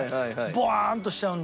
ボワンとしちゃうんで。